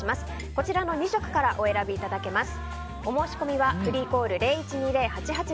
こちらの２色からお選びいただけます。